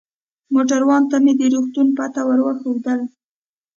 موټروان ته مې د روغتون پته ور وښودل.